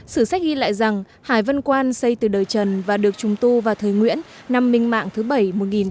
sử sách ghi lại rằng hải vân quan xây từ đời trần và được trùng tu vào thời nguyễn năm minh mạng thứ bảy một nghìn chín trăm bảy mươi